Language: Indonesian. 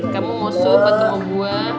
kamu mau sup atau mau buah